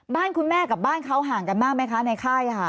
บ้านคุณแม่กับบ้านเขาห่างกันมากไหมคะในค่ายค่ะ